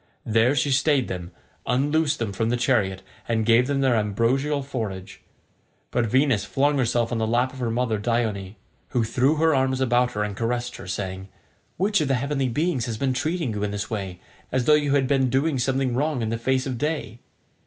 There she stayed them, unloosed them from the chariot, and gave them their ambrosial forage; but Venus flung herself on to the lap of her mother Dione, who threw her arms about her and caressed her, saying, "Which of the heavenly beings has been treating you in this way, as though you had been doing something wrong in the face of day?"